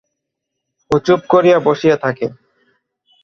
ও চুপ করিয়া বসিয়া থাকে।